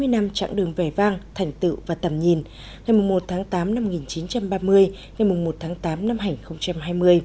sáu mươi năm chặng đường vẻ vang thành tựu và tầm nhìn ngày một tháng tám năm một nghìn chín trăm ba mươi ngày một tháng tám năm hai nghìn hai mươi